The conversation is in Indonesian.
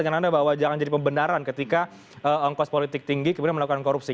pertanyaan anda bahwa jangan jadi pembenaran ketika ongkos politik tinggi kemudian melakukan korupsi